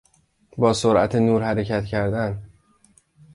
با سرعت نور حرکت کردن